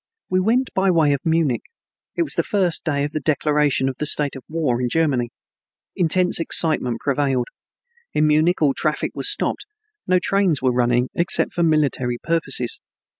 We went by way of Munich. It was the first day of the declaration of the state of war in Germany. Intense excitement prevailed. In Munich all traffic was stopped; no trains were running except for military purposes.